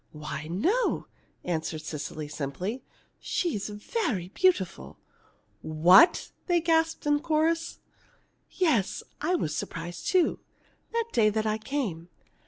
"Why, no," answered Cecily, simply. "She's very beautiful." "What!" they gasped in chorus. "Yes, I was surprised too, that day I came.